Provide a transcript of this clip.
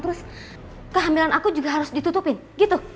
terus kehamilan aku juga harus ditutupin gitu